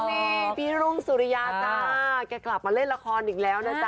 นี่พี่รุ่งสุริยาจ้าแกกลับมาเล่นละครอีกแล้วนะจ๊